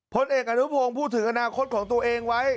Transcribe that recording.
พลเอกอนุพงศ์พูดถึงอนาคตของตัวเองไว้